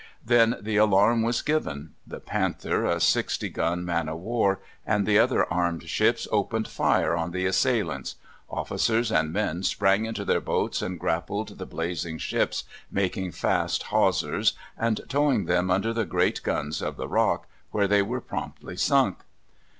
Then the alarm was given. The Panther, a sixty gun man of war, and the other armed ships opened fire on the assailants; officers and men sprang into their boats and grappled the blazing ships, making fast hawsers, and towing them under the great guns of the Rock, where they were promptly sunk.